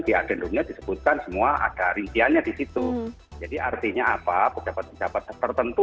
di adendumnya disebutkan semua ada rinciannya di situ jadi artinya apa pejabat pejabat tertentu